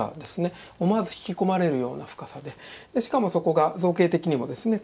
思わず引き込まれるような深さでしかも底が造形的にもですね